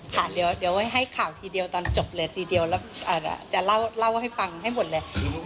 ค่ะเดี๋ยวไว้ให้ข่าวทีเดียวตอนจบเลยทีเดียวแล้วจะเล่าให้ฟังให้หมดเลย